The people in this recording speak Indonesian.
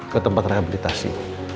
ke tempat rehabilitasi